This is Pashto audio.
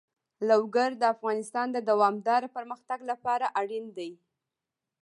لوگر د افغانستان د دوامداره پرمختګ لپاره اړین دي.